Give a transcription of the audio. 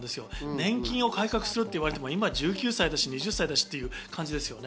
年金を改革すると言われても１９歳だし、２０歳だしという感じですよね。